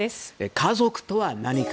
家族とは何か。